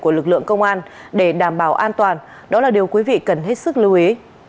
của lực lượng công an để đảm bảo an toàn đó là điều quý vị cần hết sức lưu ý